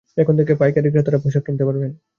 এখান থেকে পাইকারি ক্রেতারা পোশাক কিনতে পারবেন।